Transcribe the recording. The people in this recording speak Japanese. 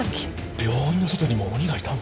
病院の外にも鬼がいたんだ。